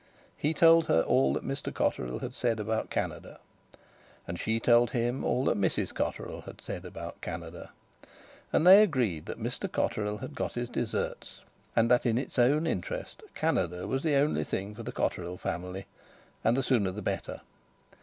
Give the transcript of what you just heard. He told her all that Mr Cotterill had said about Canada. And she told him all that Mrs Cotterill had said about Canada. And they agreed that Mr Cotterill had got his deserts, and that, in its own interest, Canada was the only thing for the Cotterill family; and the sooner the better.